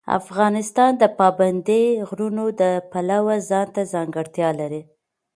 افغانستان د پابندی غرونه د پلوه ځانته ځانګړتیا لري.